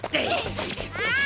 ああ！